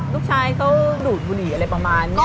ลูกชายเขาดูดบุหรี่อะไรประมาณนี้